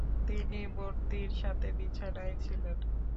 তিনি বর্তির সাথে বিছানায় ছিলেন।